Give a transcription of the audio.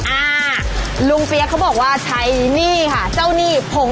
อ่าลุงเปี๊ยกเขาบอกว่าใช้หนี้ค่ะเจ้าหนี้ผม